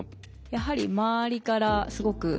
やはり周りからすごく。